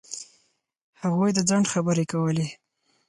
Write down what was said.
هغوی د ځنډ خبرې کولې.